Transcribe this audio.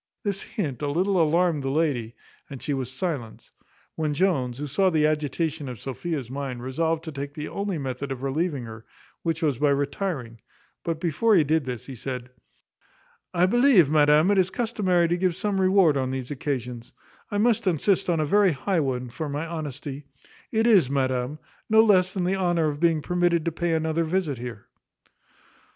This hint a little alarmed the lady, and she was silent; when Jones, who saw the agitation of Sophia's mind, resolved to take the only method of relieving her, which was by retiring; but, before he did this, he said, "I believe, madam, it is customary to give some reward on these occasions; I must insist on a very high one for my honesty; it is, madam, no less than the honour of being permitted to pay another visit here."